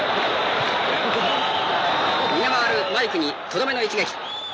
逃げ回るマイクにとどめの一撃。